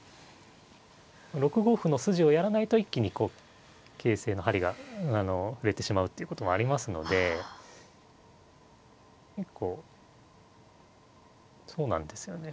６五歩の筋をやらないと一気にこう形勢の針が振れてしまうっていうこともありますので結構そうなんですよね